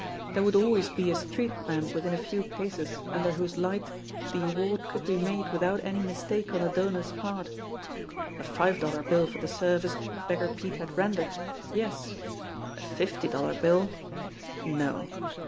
There would always be a street lamp within a few paces under whose light the award could be made without any mistake on the donor's part. A five dollar bill for the service Beggar Pete had rendered yes ; a fifty dollar bill no.